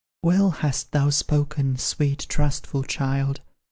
"Well hast thou spoken, sweet, trustful child!